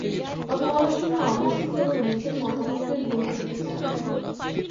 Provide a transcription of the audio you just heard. কথা বলার সময় অবশ্যই কেবল নিজের মতামতকেই গুরুত্ব দিতে যাবেন না।